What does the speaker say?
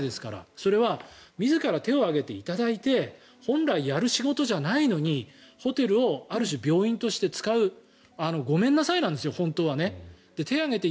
それは自ら手を挙げていただいて本来やる仕事じゃないのにホテルをある種病院として使うごめんなさいなんですよ